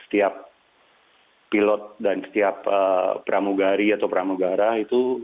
setiap pilot dan setiap pramugari atau pramugara itu